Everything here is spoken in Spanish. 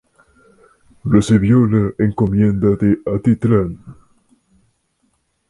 Recibió la encomienda de Atitlán.